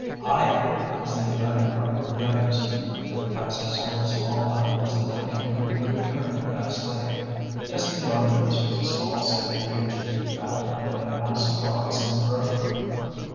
"I am!" was the united cry from the others. They were passing several small islands and now came to another turn in Bass Lake. Just beyond this was a small sandy beach, backed up by a mass of rocks and brushwood.